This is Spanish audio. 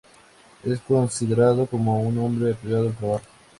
Es considerado como un hombre apegado al trabajo.